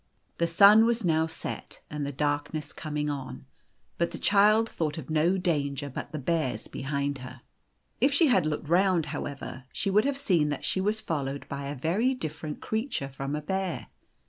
The sun was now set, and the darkness coming on, but the child thought of no danger but the bears behind her. If she had looked round, however, she would have seen that she was followed by a very dif ferent creature from a bear.